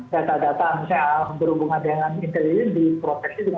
data data misalnya berhubungan dengan intelligent diproteksi dengan baiklah